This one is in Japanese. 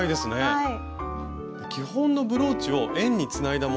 はい！